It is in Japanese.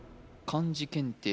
漢字検定